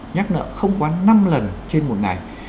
nhắc nợ không quá năm lần trên một ngày